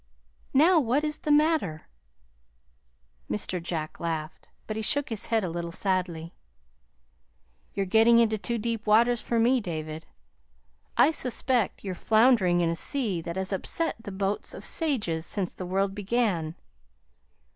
Now, what is the matter?" Mr. Jack laughed, but he shook his head a little sadly. "You're getting into too deep waters for me, David. I suspect you're floundering in a sea that has upset the boats of sages since the world began.